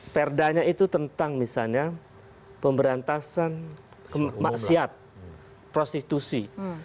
perdanya itu tentang misalnya pemberantasan maksiat prostitusi